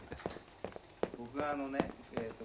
僕があのねえっと